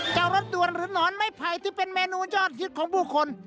รถด่วนหรือหนอนไม้ไผ่ที่เป็นเมนูยอดฮิตของผู้คน